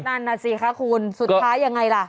นั่นน่ะสิคะคุณสุดท้ายยังไงล่ะ